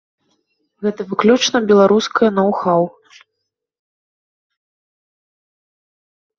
Гэта выключна беларускае ноу-хаў.